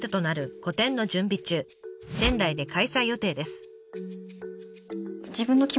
仙台で開催予定です。